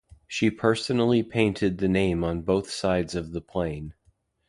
She personally painted the name on both sides of the plane.